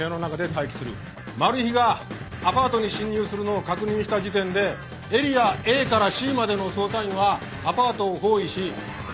マルヒがアパートに侵入するのを確認した時点でエリアＡからＣまでの捜査員はアパートを包囲し捕捉態勢。